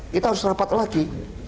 kita harus rapat lagi